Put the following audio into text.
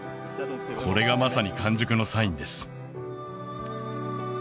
これがまさに完熟のサインです